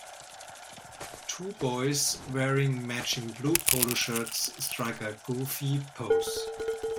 Two boys wearing matching blue polo shirts strike a goofy pose.